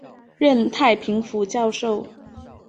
任太平府教授。